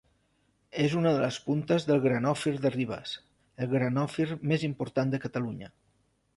És una de les puntes del Granòfir de Ribes, el granòfir més important de Catalunya.